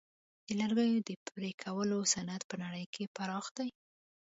د لرګیو د پرې کولو صنعت په نړۍ کې پراخ دی.